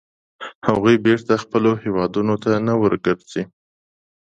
هغوی بېرته خپلو هیوادونو ته نه ورګرځي.